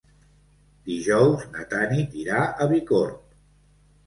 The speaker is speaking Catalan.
Dijous na Tanit irà a Bicorb.